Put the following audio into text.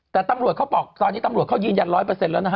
ต่อตำรวจเขายืนยัน๑๐๐แล้ว